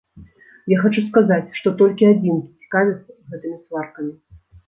Я хачу сказаць, што толькі адзінкі цікавяцца гэтымі сваркамі.